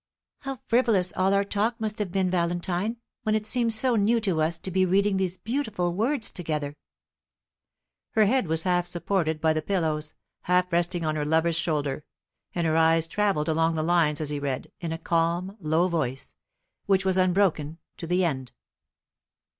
"How frivolous all our talk must have been, Valentine, when it seems so new to us to be reading these beautiful words together?" Her head was half supported by the pillows, half resting on her lover's shoulder, and her eyes travelled along the lines as he read, in a calm low voice, which was unbroken to the end.